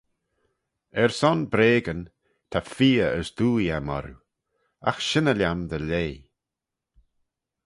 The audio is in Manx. Er son breagyn, ta feoh as dwoaie aym orroo: agh shynney lhiam dty leigh.